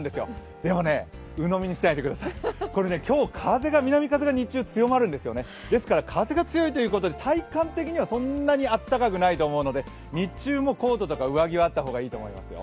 でもね、うのみにしないでください今日、南風が日中強まるんですよねですから風が強いということで体感的にはそんなに暖かくないと思うので日中もコートとか上着があった方がいいと思います。